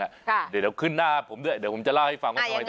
ค่ะเดี๋ยวเราขึ้นหน้าผมด้วยเดี๋ยวผมจะล่าให้ฟังว่าอ่ายังไง